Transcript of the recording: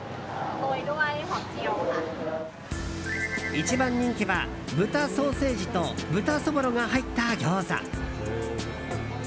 一番人気は、豚ソーセージと豚そぼろが入ったギョーザ。